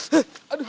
eh si bapak dadanya